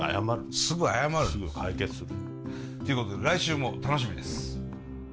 すぐ解決する。ということで来週も楽しみです！